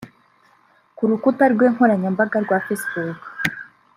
Ku rukuta rwe nkoranyambaga rwa facebook